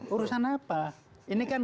urusan apa ini kan